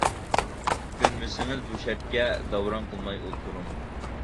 كۆنمىسىڭىز بۇ شەرتكە، داۋراڭ قىلماي ئولتۇرۇڭ.